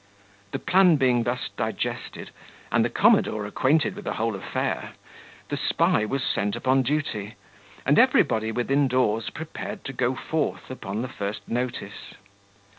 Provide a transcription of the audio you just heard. The plan being thus digested, and the commodore acquainted with the whole affair, the spy was sent upon duty, and everybody within doors prepared to go forth upon the first notice.